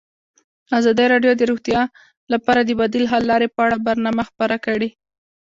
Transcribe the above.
ازادي راډیو د روغتیا لپاره د بدیل حل لارې په اړه برنامه خپاره کړې.